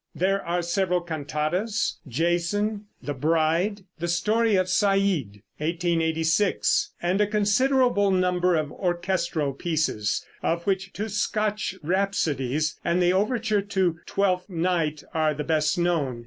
There are several cantatas, "Jason," "The Bride," "The Story of Sayid" (1886) and a considerable number of orchestral pieces, of which two Scotch rhapsodies and the overture to "Twelfth Night" are the best known.